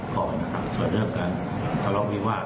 ขอบคุณนะครับส่วนเรื่องการตลอกวิวาส